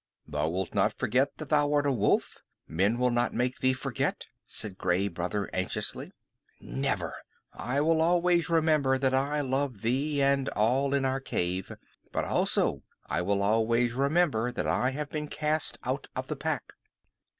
"Thou wilt not forget that thou art a wolf? Men will not make thee forget?" said Gray Brother anxiously. "Never. I will always remember that I love thee and all in our cave. But also I will always remember that I have been cast out of the Pack."